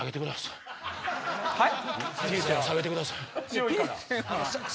はい？